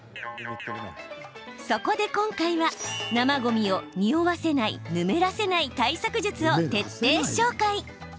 そこで今回は、生ごみをにおわせない、ぬめらせない対策術を徹底紹介。